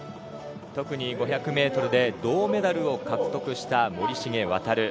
特に５００ｍで銅メダルを獲得した森重航。